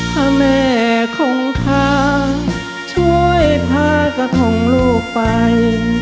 ถ้าแม่คงค้าช่วยพากระทงลูกไป